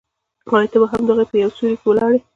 آیا ته به هم هغه یې په یو سیوري کې ولاړ یې.